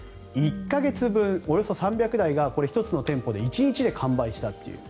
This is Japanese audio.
１か月分、およそ３００台が１つの店舗で１日で完売したという。